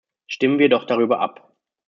Stimmen wir doch darüber ab!